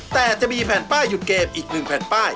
แต่จะมีแผ่นป้ายหยุดเกมอีก๑แผ่นป้าย